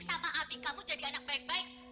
sama adik kamu jadi anak baik baik